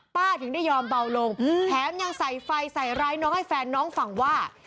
ถึงได้ยอมเบาลงแถมยังใส่ไฟใส่ร้ายน้องให้แฟนน้องฟังว่า